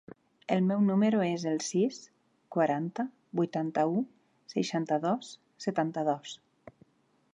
El meu número es el sis, quaranta, vuitanta-u, seixanta-dos, setanta-dos.